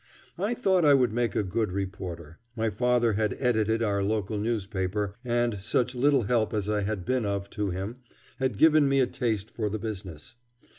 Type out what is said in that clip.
I thought I would make a good reporter. My father had edited our local newspaper, and such little help as I had been of to him had given me a taste for the business.